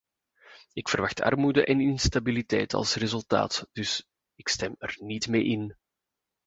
Ik verwacht armoede en instabiliteit als resultaat, dus stem ik er niet mee in.